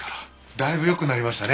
だいぶ良くなりましたね。